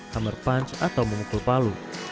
hammer punch atau memukul palu